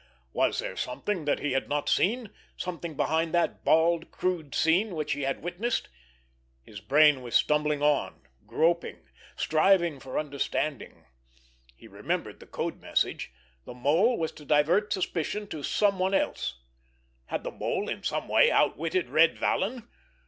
Was there something that he had not seen, something behind that bald, crude scene which he had witnessed? His brain was stumbling on, groping, striving for understanding. He remembered the code message—the Mole was to divert suspicion to someone else. Had the Mole in some way outwitted Red Vallon?